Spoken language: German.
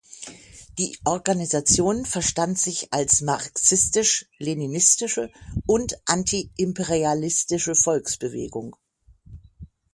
Die Organisation verstand sich als marxistisch-leninistische und antiimperialistische Volksbewegung.